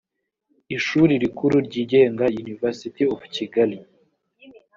ishuri rikuru ryigenga university of kigali